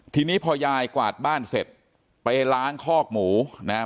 ทีนี้พอยายกวาดบ้านเสร็จไปล้างคอกหมูนะครับ